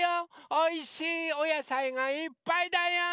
おいしいおやさいがいっぱいだよ！